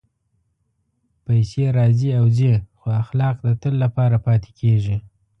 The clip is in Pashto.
پېسې راځي او ځي، خو اخلاق د تل لپاره پاتې کېږي.